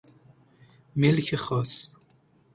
ملک خاص